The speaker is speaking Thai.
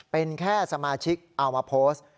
เป็นแค่สมาชิกเอามาโพสต์